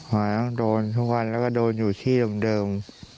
หอยโดนทุกวันแล้วก็โดนอยู่ที่เดิม